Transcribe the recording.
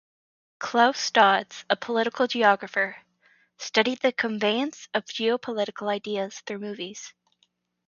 Klaus Dodds, a political geographer, studied the conveyance of geopolitical ideas through movies.